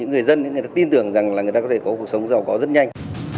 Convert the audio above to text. rằng người ta có thể có cuộc sống giàu có rất nhanh